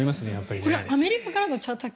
これはアメリカからのチャーター機？